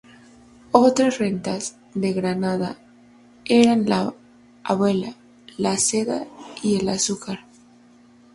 Otras "rentas de Granada" eran la "abuela", la "seda" y el "azúcar".